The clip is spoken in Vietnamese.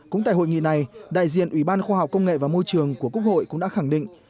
cũng tại hội nghị này đại diện ủy ban khoa học công nghệ và môi trường của quốc hội cũng đã khẳng định